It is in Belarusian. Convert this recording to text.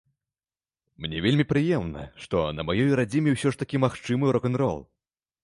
Мне вельмі прыемна, што на маёй радзіме ўсё ж такі магчымы рок-н-рол.